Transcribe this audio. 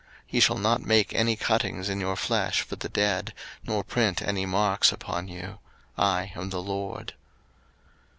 03:019:028 Ye shall not make any cuttings in your flesh for the dead, nor print any marks upon you: I am the LORD.